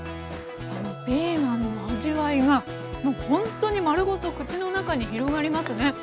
ピーマンの味わいがもうほんとに丸ごと口の中に広がりますね。